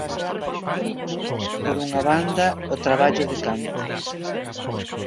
Por unha banda, o traballo de campo.